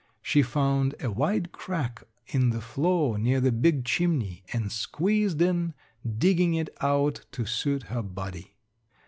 She found a wide crack in the floor near the big chimney and squeezed in, digging it out to suit her body.